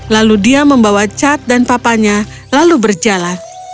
lalu dia membawa cat dan papanya lalu berjalan